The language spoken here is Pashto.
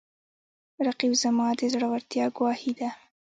رقیب زما د زړورتیا ګواهي ده